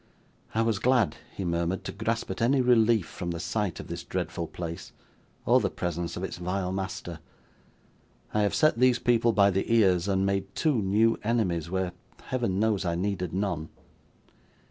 'I was glad,' he murmured, 'to grasp at any relief from the sight of this dreadful place, or the presence of its vile master. I have set these people by the ears, and made two new enemies, where, Heaven knows, I needed none.